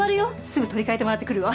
すぐ取り替えてもらってくるわ。